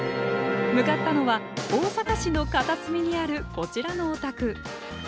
向かったのは大阪市の片隅にあるこちらのお宅。